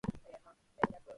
こんにちは、みなさん元気ですか？